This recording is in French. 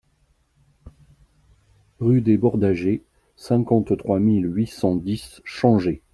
Rue des Bordagers, cinquante-trois mille huit cent dix Changé